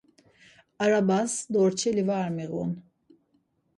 Arabas dorçeli var miğun.